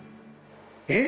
えっ？